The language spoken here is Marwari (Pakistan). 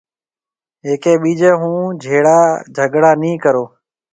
هيَڪيَ ٻِيجي هون جھيَََڙا جھگھڙا نِي ڪرو۔